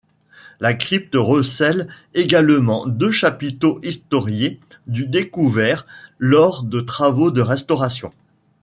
La crypte recèle également deux chapiteaux historiés du découverts lors de travaux de restauration.